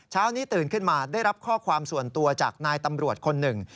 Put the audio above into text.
เช้านี้ตื่นขึ้นมาได้รับข้อความส่วนตัวจากนายตำรวจคนหนึ่ง